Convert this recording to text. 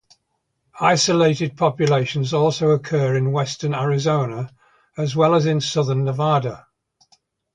Isolated populations also occur in western Arizona as well as in southern Nevada.